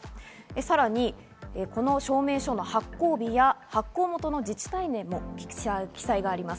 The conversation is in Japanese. さらに、この証明書の発行日や発行元の自治体名も記載があります。